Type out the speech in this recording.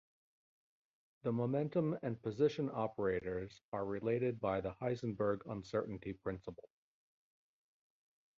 The momentum and position operators are related by the Heisenberg uncertainty principle.